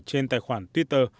trên tài khoản twitter